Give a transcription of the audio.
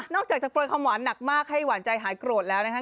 จากจะโปรยความหวานหนักมากให้หวานใจหายโกรธแล้วนะครับ